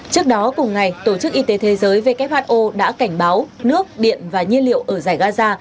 trước đó cùng ngày tổ chức y tế thế giới who đã cảnh báo nước điện và nhiên liệu ở giải gaza